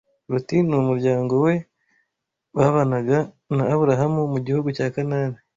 LOTI n’umuryango we babanaga na Aburahamu mu gihugu cya Kanani